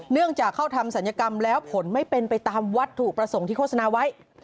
เนื่องจากเข้าทำศัลยกรรมแล้วผลไม่เป็นไปตามวัตถุประสงค์ที่โฆษณาไว้